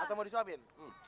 atau mau disuapin